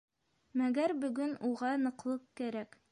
Мәгәр бөгөн уға ныҡлыҡ кәрәк.